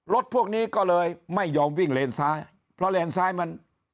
รถพวกนี้ก็เลยไม่ยอมวิ่งเลนซ้ายเพราะเลนซ้ายมัน